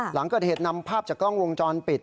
หลังเกิดเหตุนำภาพจากกล้องวงจรปิด